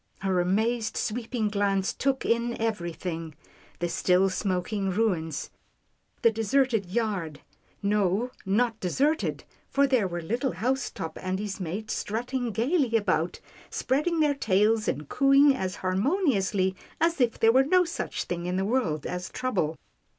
Her amazed, sweeping glance took in everything — the still smoking ruins, the de serted yard — no, not deserted, for there were lit tle Housetop and his mate, strutting gaily about, spreading their tails, and cooing as harmoniously as if there were no such thing in the world as trouble.